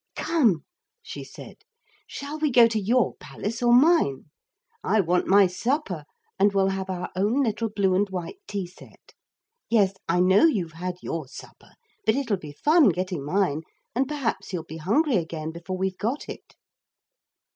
'Come,' she said, 'shall we go to your Palace or mine? I want my supper, and we'll have our own little blue and white tea set. Yes, I know you've had your supper, but it'll be fun getting mine, and perhaps you'll be hungry again before we've got it.'